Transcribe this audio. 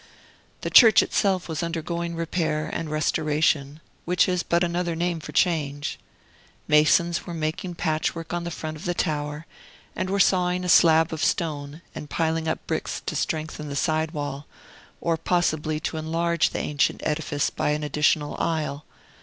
The church itself was undergoing repair and restoration, which is but another name for change. Masons were making patchwork on the front of the tower, and were sawing a slab of stone and piling up bricks to strengthen the side wall, or possibly to enlarge the ancient edifice by an additional aisle.